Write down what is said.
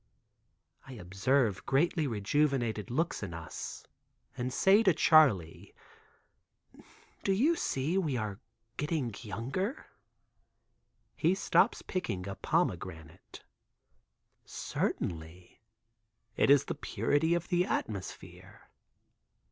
I observe greatly rejuvenated looks in us and say to Charley: "Do you see we are getting younger?" He stops picking a pomegranate. "Certainly. It is the purity of the atmosphere.